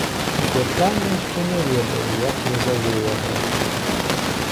Святлана яшчэ не ведае, як назаве яго.